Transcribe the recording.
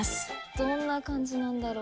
どんな感じなんだろう？